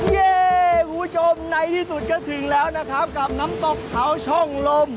เย่คุณผู้ชมในที่สุดก็ถึงแล้วนะครับกับน้ำตกเขาช่องลม